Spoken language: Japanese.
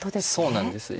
そうなんです。